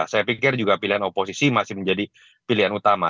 saya pikir juga pilihan oposisi masih menjadi pilihan utama